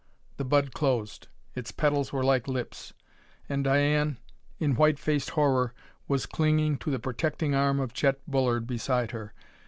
The bud closed. Its petals were like lips.... And Diane, in white faced horror, was clinging to the protecting arm of Chet Bullard beside her.